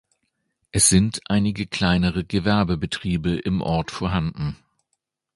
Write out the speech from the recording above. Es sind einige kleinere Gewerbebetriebe im Ort vorhanden.